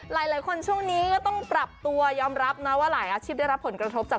หลายคนช่วงนี้ก็ต้องปรับตัวยอมรับนะว่าหลายอาชีพได้รับผลกระทบจาก